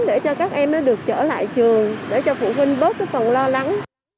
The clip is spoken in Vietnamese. để cho các em được trở lại trường để cho phụ huynh bớt phần lo lắng